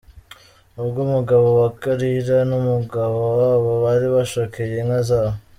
Ubwo umugabo wa Kalira n’umugabo wabo bari bashokeye inka zabo.